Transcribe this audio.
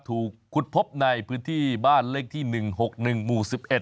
ขุดพบในพื้นที่บ้านเลขที่๑๖๑หมู่๑๑